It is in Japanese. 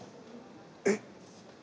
えっ。